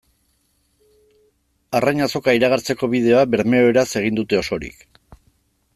Arrain Azoka iragartzeko bideoa bermeoeraz egin dute osorik.